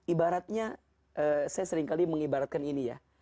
ibaratnya saya seringkali mengibaratkan ini ya